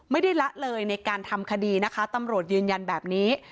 ไม่ได้ละเลยในการทำคดีตำรวจยืนยันแบบนี้